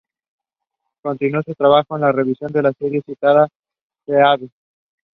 Continuó con su trabajo en la revista con la serie y citada, "Savage".